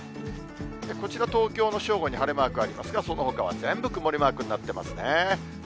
こちら東京の正午に晴れマークありますが、そのほかは全部曇りマークになってますね。